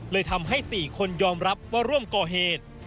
เลยทำให้๔คนยอมรับว่าร่วมก่อเหตุ